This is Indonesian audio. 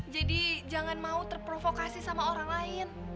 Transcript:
jadi jangan mau terprovokasi sama orang lain